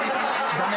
ダメ？